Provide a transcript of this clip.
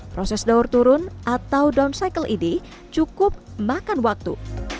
proses daur turun atau down cycle ini cukup makan waktu